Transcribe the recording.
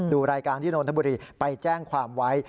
ดูรายการที่นนทบุรีไปแจ้งความไว้